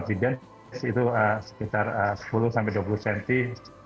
itu sekitar sepuluh sampai dua puluh cm